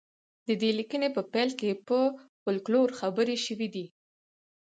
د دې لیکنې په پیل کې په فولکلور خبرې شوې دي